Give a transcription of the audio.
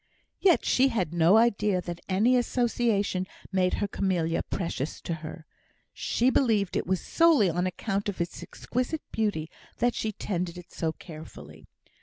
Yet she had no idea that any association made her camellia precious to her. She believed it was solely on account of its exquisite beauty that she tended it so carefully.